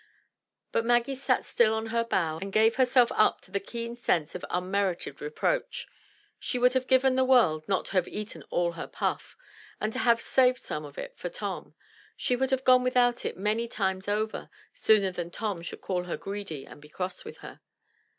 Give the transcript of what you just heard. But Maggie sat still on her bough and gave herself up to the keen sense of unmerited reproach. She would have given the world not to have eaten all her puff, and to have saved some of it for Tom. She would have gone without it many times over, sooner than Tom should call her greedy and be cross with her.